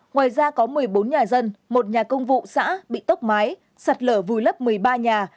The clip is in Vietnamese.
ngoài ra có một mươi bốn nhà dân một nhà công vụ xã bị tốc mái sạt lở vùi lấp một mươi ba nhà